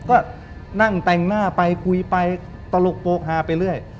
ก็นั่งแต่งหน้าไปคุยไปตลกโปรกฮาไปเรื่อย